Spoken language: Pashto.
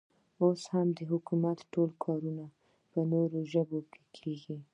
اوس هم د حکومت ټول کارونه په نورو ژبو کې کېږي.